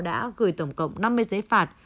đã gửi tổng cộng năm mươi giấy phạt